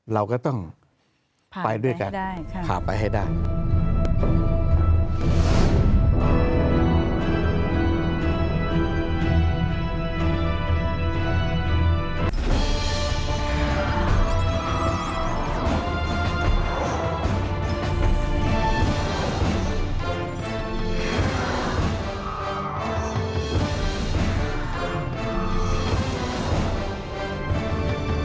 เราก็ต้องพาไปด้วยกันพาไปให้ได้